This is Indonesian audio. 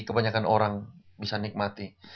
kebanyakan orang bisa nikmati